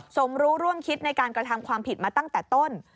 สมรู้ร่วมคิดในการกระทำความผิดมาตั้งแต่ต้น